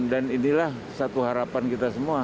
dan inilah satu harapan kita semua